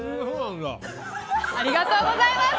ありがとうございます。